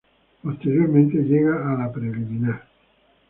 Posteriormente llega el evento de la Preliminar.